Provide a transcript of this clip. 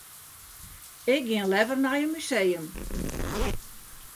Ik gean leaver nei in museum.